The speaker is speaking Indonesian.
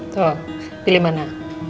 tuh pilih mana